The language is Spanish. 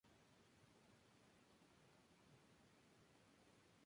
Estos restos se emplearon como sillares para levantar la torre.